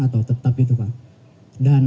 atau tetap itu pak dan